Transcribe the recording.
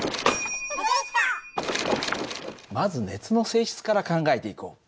まず熱の性質から考えていこう。